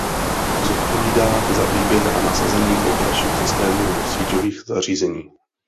Zodpovídá za výběr a nasazení operačních systémů do síťových zařízení.